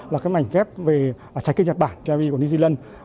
là mảnh ghép về trái cây nhật bản trái cây của new zealand